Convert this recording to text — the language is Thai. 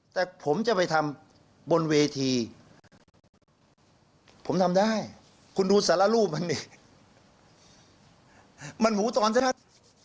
แต่ผมจะไปทำบนเวทีผมทำได้คุณดูสารรูปมันนี่มันหมูตอนสัก